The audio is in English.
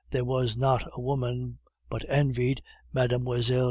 there was not a woman but envied Mlle.